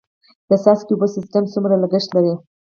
د څاڅکي اوبو سیستم څومره لګښت لري؟